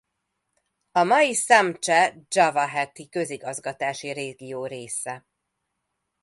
A mai Szamche-Dzsavaheti közigazgatási régió része.